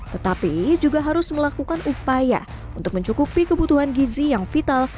tetapi juga harus melakukan upaya untuk mencukupi kebutuhan gizi yang vital